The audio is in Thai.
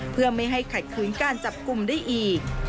เพื่อไม่ให้ขัดขืนการจับกลุ่มได้อีก